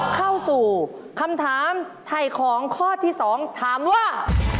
เข้าสู่คำถามไถ่ของข้อที่๒ถามว่า